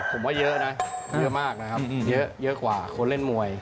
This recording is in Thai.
ผมว่าเยอะนะเยอะมากนะครับเยอะกว่าคนเล่นมวย